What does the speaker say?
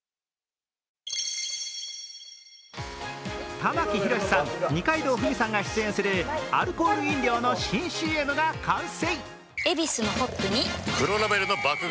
玉木宏さん、二階堂ふみさんが出演するアルコール飲料の新ＣＭが完成。